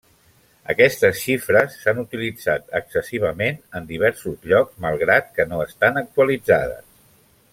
Aquestes xifres s'han utilitzat excessivament en diversos llocs, malgrat que no estan actualitzades.